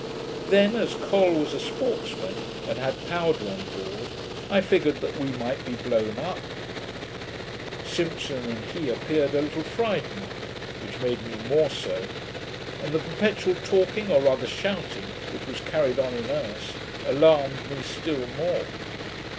Then, as Col was a sportman, and had powder on board, I figured that we might be blown up. Simpson and he appeared a little frightened, which made me more so; and the perpetual talking, or rather shouting, which was carried on in Erse, alarmed me still more.